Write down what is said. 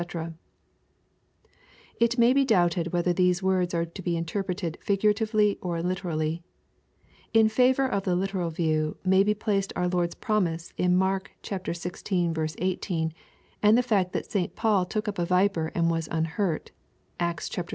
'] It may be doubted whether these words are to be interpreted figuratively or literally. In favor of the literal view, may be placed our Lord's promise in Mark xvL 18, and the fact that St. Paul took up a viper and was unhurt (Acts xxviii.